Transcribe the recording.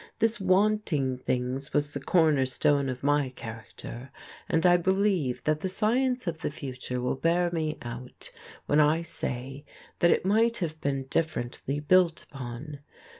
This wanting things was the corner stone of my character, and I believe that the science of the future will bear me out when I say that it might have been differently built upon.